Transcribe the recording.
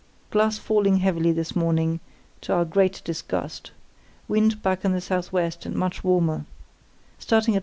—Glass falling heavily this morning, to our great disgust. Wind back in the SW and much warmer. Starting at 5.